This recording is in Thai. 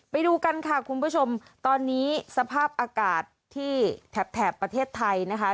ไปดูกันค่ะคุณผู้ชมตอนนี้สภาพอากาศที่แถบประเทศไทยนะคะ